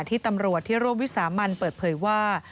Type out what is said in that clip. ที่ตำรวจที่ร่วมวิสามันเปิดเผยว่า